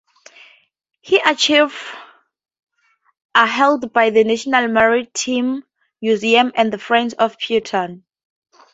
He archives are held by the National Maritime Museum and the Friends of Purton.